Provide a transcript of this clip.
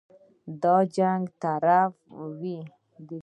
د جنګ طرف وي.